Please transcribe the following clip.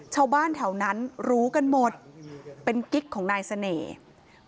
ชาวบ้านแถวนั้นรู้กันหมดเป็นกิ๊กของนายเสน่ห์